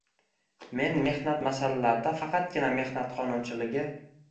Men mehnat masalalarida faqatgina mehnat qonunchiligi